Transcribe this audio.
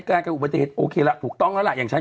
อย่างฉันก็ตัดสินใจไม่ขับเลยเนี่ย